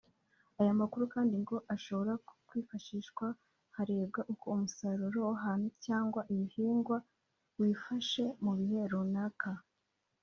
Aya makuru kandi ngo ashobora kwifashishwa harebwa uko umusaruro w’ahantu cyangwa ibihingwa wifashe mu bihe runaka